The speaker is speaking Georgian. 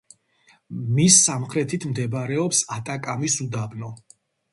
მის სამხრეთით მდებარეობს ატაკამის უდაბნო.